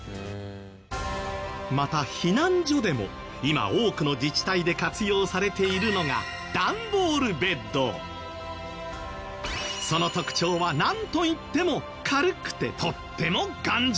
また避難所でも今多くの自治体で活用されているのがその特徴はなんといってもえっ！